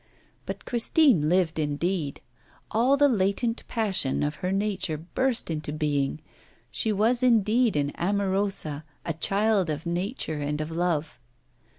But Christine lived indeed. All the latent passion of her nature burst into being. She was indeed an amorosa, a child of nature and of love.